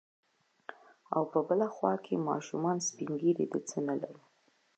او په بله خوا کې ماشومان، سپين ږيري، د څه نه لرو.